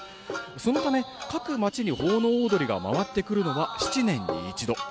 そのため、各町に奉納踊が回ってくるのは、７年に１度。